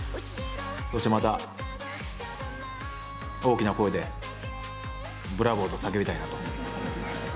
そしてまた、大きな声でブラボーと叫びたいなと。